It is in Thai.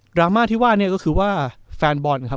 ราม่าที่ว่าเนี่ยก็คือว่าแฟนบอลครับ